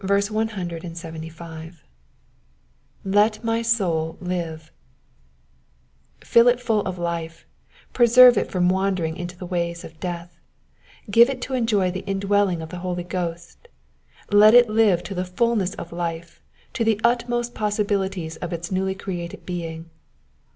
Z<5i my soul live,^^ Fill it full of life, preserve it from wandering into the ways of death, give it to enjoy the indwelling of the Holy Ghost, let it live to the fulness of life, to the utmost possibilities of its new created being.